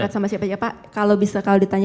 tidak dekat sama siapa siapa kalau bisa kalau ditanya